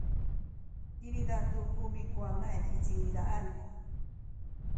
ciniza tu ku mikuwangay i cinizaan.